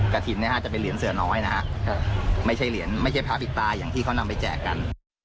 กระถิ่นจะเป็นเหรียญเสือน้อยนะฮะไม่ใช่เหรียญไม่ใช่พระปิดตาอย่างที่เขานำไปแจกกัน